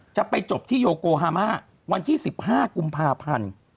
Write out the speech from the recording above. จะไปจบที่โยโกฮามาวันที่๑๕กุมภาพันธ์